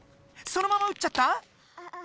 そのまま打っちゃった？